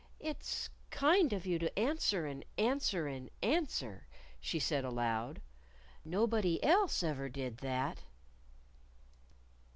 "It's kind of you to answer and answer and answer," she said aloud. "Nobody else ever did that."